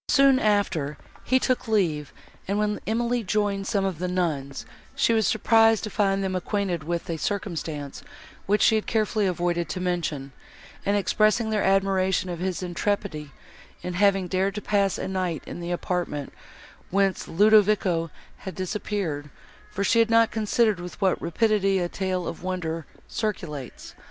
Soon after, he took leave, and, when Emily joined some of the nuns, she was surprised to find them acquainted with a circumstance, which she had carefully avoided to mention, and expressing their admiration of his intrepidity in having dared to pass a night in the apartment, whence Ludovico had disappeared; for she had not considered with what rapidity a tale of wonder circulates.